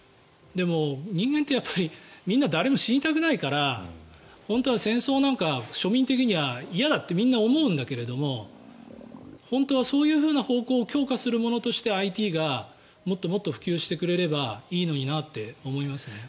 でも、人間って誰もみんな死にたくないから本当は戦争なんか庶民的には嫌だってみんな思うんだけれども本当はそういう方向を強化するためのものとしてＩＴがもっともっと普及してくれればいいのにと思います。